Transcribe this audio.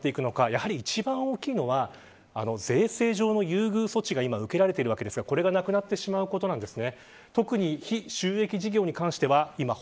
やはり一番大きいのは税制上の優遇措置が今、受けられているわけですがこれがなくなってしまうことなんです。